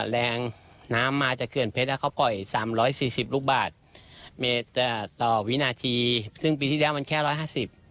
แรงน้ำมาจากเขื่อนเพชรอ่ะเขาปล่อยสามร้อยสี่สิบลูกบาทเมตรต่อวินาทีซึ่งปีที่แล้วมันแค่ร้อยห้าสิบ